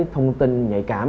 thông tin nhạy cảm